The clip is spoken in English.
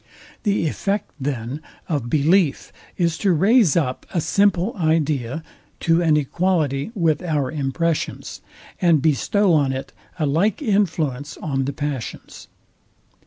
The effect, then, of belief is to raise up a simple idea to an equality with our impressions, and bestow on it a like influence on the passions.